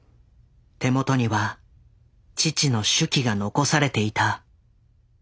手元には父の手記が残されていた。